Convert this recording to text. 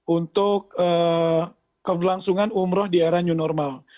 untuk keberlangsungan umroh di era new normal